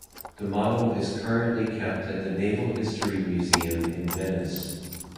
The model is currently kept at the Naval History Museum in Venice.